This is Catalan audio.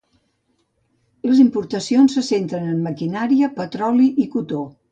Les importacions se centren en maquinària, petroli i cotó.